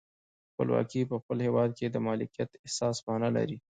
خپلواکي په خپل هیواد کې د مالکیت احساس معنا لري.